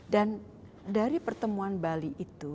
dan dari pertemuan bali itu